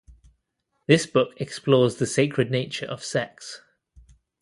This book explores the sacred nature of sex.